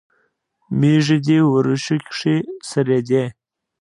مېښې دې ورشو کښې څرېدې